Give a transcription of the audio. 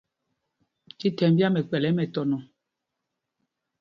Thíthɛmb yǎm ɛ kpɛ̌l ɛ mɛtɔnɔ.